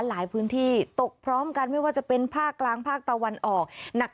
หลายพื้นที่ตกพร้อมกันไม่ว่าจะเป็นภาคกลางภาคตะวันออกหนัก